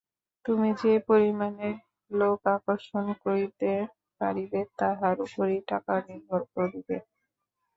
তুমি যে পরিমাণে লোক আকর্ষণ করিতে পারিবে, তাহার উপরই টাকা নির্ভর করিবে।